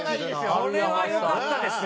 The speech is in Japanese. これはよかったですよ！